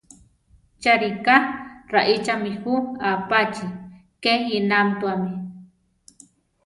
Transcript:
Cha ríka raíchami jú apachí, ke inámituami.